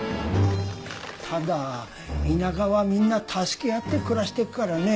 ただ田舎はみんな助け合って暮らしてっからね。